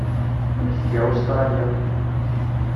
Amek tga Ustṛalya?